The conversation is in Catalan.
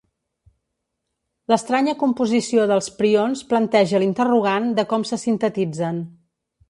L'estranya composició dels prions planteja l'interrogant de com se sintetitzen.